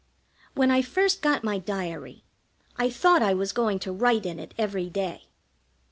When I first got my diary I thought I was going to write in it every day.